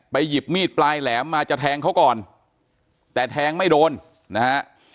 หยิบมีดปลายแหลมมาจะแทงเขาก่อนแต่แทงไม่โดนนะฮะ